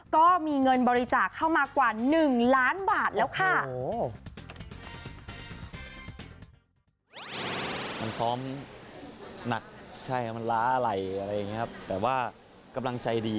ก็มีเงินบริจาคเข้ามากว่า๑ล้านบาทแล้วค่ะ